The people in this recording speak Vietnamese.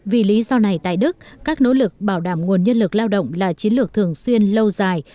vì lý do này tại đức các nỗ lực bảo đảm nguồn nhân lực lao động là chiến lược thường xuyên lâu dài